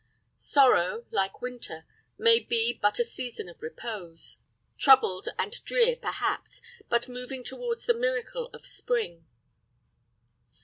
Sorrow, like winter, may be but a season of repose, troubled and drear perhaps, but moving towards the miracle of spring.